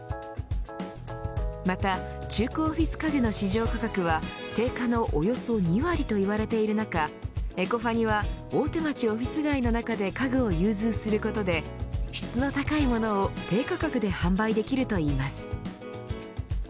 また中古オフィス家具の市場価格は定価のおよそ２割といわれている中エコファニは大手町オフィス街の中で家具を融通することで質の高いものを低価格で販売できるといいます。